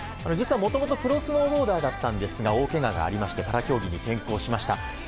実は、もともとプロスノーボーダーだったんですが大けががありましてパラ競技に転向しました。